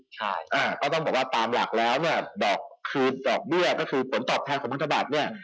ใช่ก็ต้องบอกว่าตามหลักแล้วเนี่ยดอกคือดอกเบี้ยก็คือผลตอบแทนของพันธบัตรเนี่ย